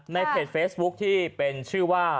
เพจเฟซบุ๊คที่เป็นชื่อว่า